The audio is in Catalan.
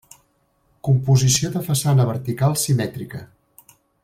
Composició de façana vertical, simètrica.